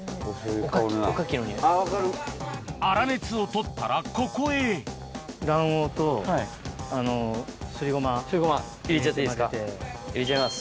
粗熱を取ったらここへすりごま入れちゃっていいですか入れちゃいます。